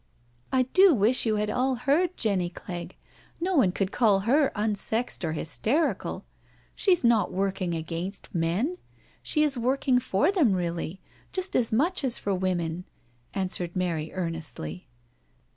" I do wish you had all heard Jenny Clegg— no one could call her unsexed or hysterical. She is not work ing against men — she is working for them really, just as much as for women," answered Mary earnestly.